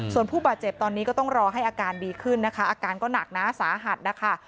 ส่วนผู้บาดเจ็บตอนนี้ก็ต้องรอให้อาการดีขึ้นนะคะอาการก็หนักนะสาหัสนะคะ